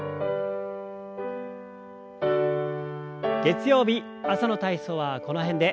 月曜日朝の体操はこの辺で。